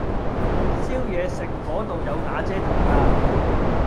燒嘢食嗰度有瓦遮頭㗎